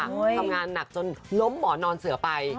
ทำงานหนักจนล้มหมอนอนเสือไป